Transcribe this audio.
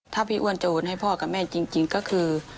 ถ้าพี่อ้วนจะโอนให้พ่อกับแม่จริงก็คือ